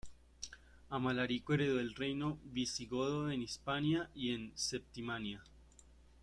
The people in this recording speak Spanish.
Amalarico heredó el reino visigodo en Hispania y en Septimania.